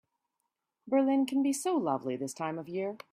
Berlin can be so lovely this time of year.